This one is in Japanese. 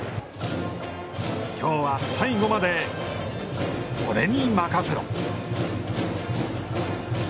きょうは最後まで俺に任せろ。